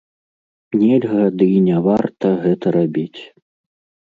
Нельга, ды і не варта гэта рабіць.